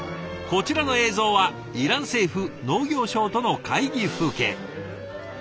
こちらの映像はイラン政府農業省との会議風景。